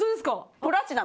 プラチナム？